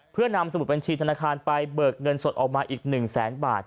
เพื่อนำสมุดบัญชีธนาคารไปเบิกเงินสดออกมาอีก๑แสนบาท